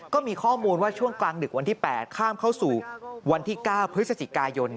ก็มีข้อมูลว่าช่วงกลางดึกวันที่๘ข้ามเข้าสู่วันที่๙พฤศจิกายน